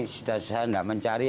sudah saya tidak mencari